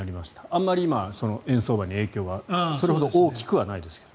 あまり今、円相場に影響はそれほど大きくはないですが。